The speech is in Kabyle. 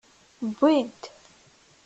Bbin-t.